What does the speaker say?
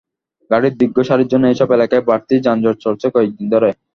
গাড়ির দীর্ঘ সারির জন্য এসব এলাকায় বাড়তি যানজট চলছে কয়েক দিন ধরে।